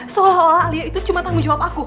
seolah olah alia itu cuma tanggung jawab aku